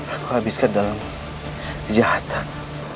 aku habiskan dalam jahatan